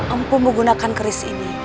empu menggunakan keris ini